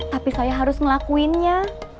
tapi saya harus ngelakuinnya